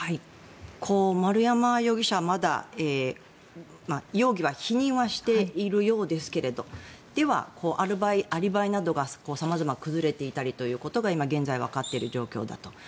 丸山容疑者はまだ容疑は否認しているようですがでは、アリバイなどが様々崩れていたりということが現在、わかっている状況だと。